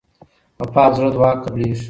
په پاک زړه دعا قبلیږي.